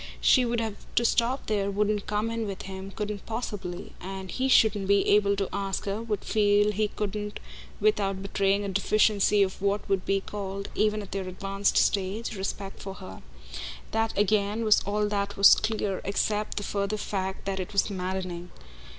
She would have to stop there, wouldn't come in with him, couldn't possibly; and he shouldn't be able to ask her, would feel he couldn't without betraying a deficiency of what would be called, even at their advanced stage, respect for her: that again was all that was clear except the further fact that it was maddening.